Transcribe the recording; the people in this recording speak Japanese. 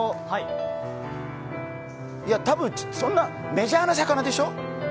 多分、そんな、メジャーな魚でしょ？